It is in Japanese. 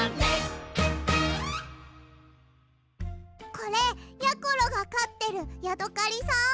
これやころがかってるヤドカリさん？